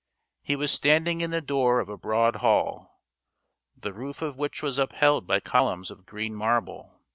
He was standing in the door of a broad hall, the roof of which was. upheld by columns of green marble.